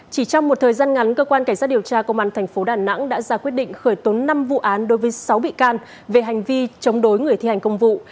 chỉ trong một thời gian ngắn cơ quan cảnh sát điều tra công an tp đà nẵng đã ra quyết định khởi tố năm vụ án đối với sáu bị can về hành vi chống đối người thi hành công vụ